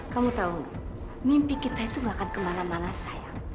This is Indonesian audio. kamu tahu mimpi kita itu gak akan kemana mana saya